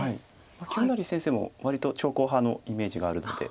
清成先生も割と長考派のイメージがあるので。